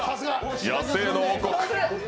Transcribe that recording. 野生の王国。